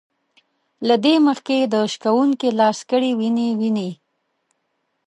له دې مخکې د شکوونکي لاس کړي وينې وينې